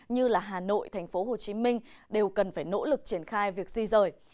như là hà nội thành phố hồ chí minh đều cần phải nỗ lực triển khai việc di rời